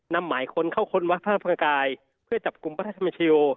นำหมายคนเข้าคนวัฒนธรรมกายเพื่อจับกุมวัฒนธรรมชโย